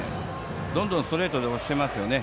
どんどんストレートで押してますよね。